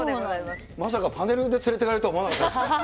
まさかパネルで連れていかれるとは思わなかったです。